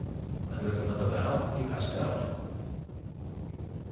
And with another bow, he passed out.